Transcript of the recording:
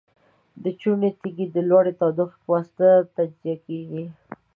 د چونې تیږې د لوړې تودوخې په واسطه تجزیه کیږي.